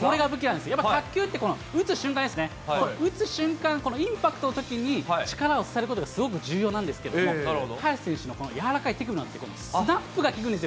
やっぱ卓球って、この打つ瞬間ですね、こう打つ瞬間、インパクトの特に力を伝えることがすごく重要なんですけれども、早田選手のこの柔らかい手首によって、スナップが効くんですよ。